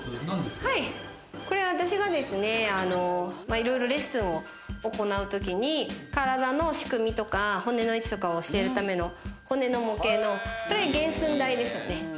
これは私がいろいろレッスンを行うときに、体の仕組みとか骨の位置とか教えるための骨の模型の原寸大です。